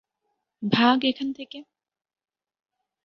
ভাগ, এখান থেকে!